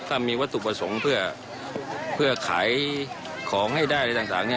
ถ้ามีวัตถุประสงค์เพื่อขายของให้ได้ในทาง